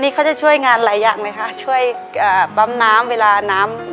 ในแคมเปญพิเศษเกมต่อชีวิตโรงเรียนของหนู